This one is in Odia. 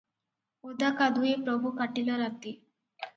ଓଦା କାଦୁଏ ପ୍ରଭୁ କାଟିଲ ରାତି